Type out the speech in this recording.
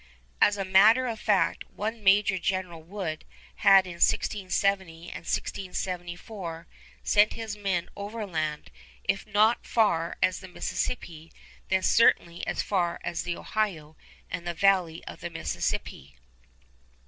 As a matter of fact, one Major General Wood had in 1670 and 1674 sent his men overland, if not so far as the Mississippi, then certainly as far as the Ohio and the valley of the Mississippi.